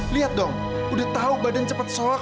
lihat dong udah tau badan cepet solak